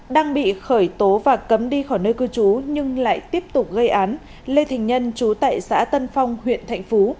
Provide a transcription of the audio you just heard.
đang bị khởi tố và cấm đi khỏi nơi cư trú nhưng lại tiếp tục gây án lê thành nhân trú tại xã tân phong huyện thạnh phú